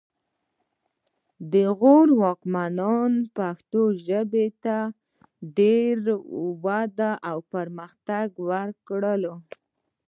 د غور واکمنو پښتو ژبې ته ډېره وده او پرمختګ ورکړ